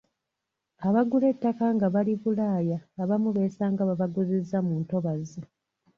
Abagula ettaka nga bali bulaaya abamu beesanga babaguzizza mu ntobazi.